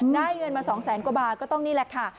ได้เงินมา๒แสนกว่าบาทก็ต้องนี่แหละค่ะ